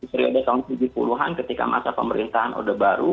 di seriode tahun seribu sembilan ratus tujuh puluh an ketika masa pemerintahan udah baru